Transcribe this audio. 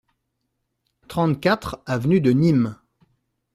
trente-quatre avenue de Nîmes